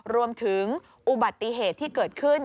รวมถึงอุบัติเหตุที่เกิดขึ้น